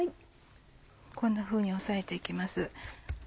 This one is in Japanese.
こんなふうに押さえて行きます。